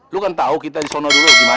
lu kan tahu kita di sana dulu gimana